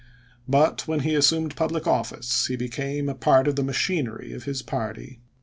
But when he assumed public office he became a part of the machinery of his party.